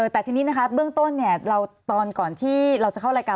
แต่ทีนี้นะคะเบื้องต้นตอนก่อนที่เราจะเข้ารายการ